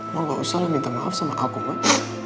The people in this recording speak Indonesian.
mama gak usah minta maaf sama kamu mak